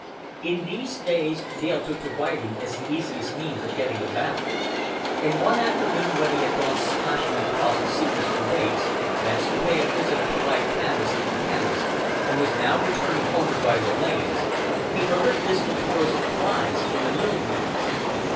In these days Dale took to riding as the easiest means of getting about; and one afternoon when he had gone splashing across to see Mr. Bates, thence to pay a visit of polite canvass at the Kennels, and was now returning homeward by the lanes, he heard a dismal chorus of cries in the Mill meads.